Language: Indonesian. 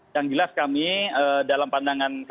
yang jelas kami dalam pandangan kpk bahwa